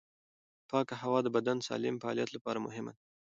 پاکه هوا د بدن د سالم فعالیت لپاره مهمه ده.